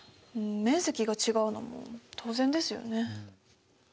面積が違うのも当然ですよね。